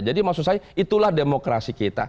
maksud saya itulah demokrasi kita